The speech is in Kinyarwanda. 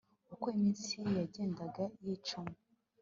Uko iminsi yagendaga yicuma